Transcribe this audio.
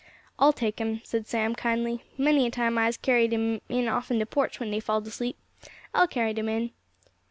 "I'll take 'em," said Sam kindly. "Many a time I'se carried 'em in offen de porch when dey falled asleep. I'll carry 'em in."